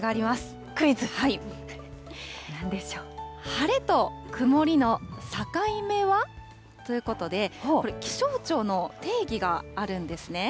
晴れと曇りの境目はということで、これ、気象庁の定義があるんですね。